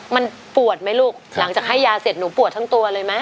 มันปวดไหมลูกหลังจากให้ยาเสร็จหนูปวดทั้งตัวเลยไหม